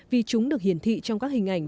vì chúng được hiển thị trong các hình ảnh